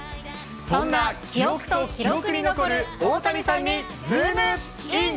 そんな記憶と記録に残る大谷さんにズームイン！！